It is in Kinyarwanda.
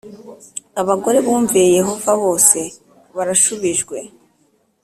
abagore bumviye Yehova bose barashubijwe